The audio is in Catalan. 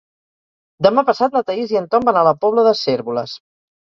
Demà passat na Thaís i en Tom van a la Pobla de Cérvoles.